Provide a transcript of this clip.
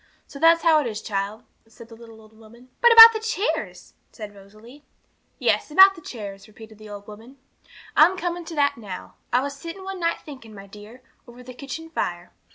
So that's how it is, child,' said the little old woman. 'But about the chairs?' said Rosalie. 'Yes, about the chairs,' repeated the old woman; 'I'm coming to that now. I was sitting one night thinking, my dear, over the kitchen fire.